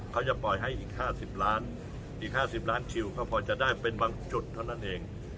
เขาจะปล่อยให้อีก๕๐ล้านอีก๕๐ล้านคิวก็พอจะได้เป็นบางจุดเท่านั้นเอง